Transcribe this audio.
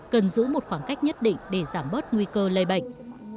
cần giữ một khoảng cách nhất định để giảm bớt nguy cơ lây bệnh